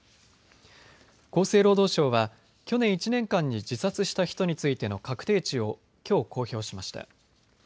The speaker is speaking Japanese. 厚生労働省は去年１年間に自殺した人についての確定値をきょう、公表しました。